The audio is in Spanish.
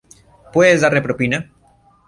Puedes darle propina.